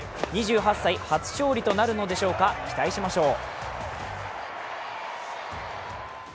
２８歳初勝利となるのでしょうか期待しましょう。